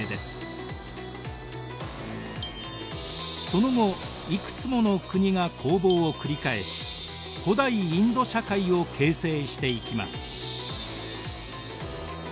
その後いくつもの国が攻防を繰り返し古代インド社会を形成していきます。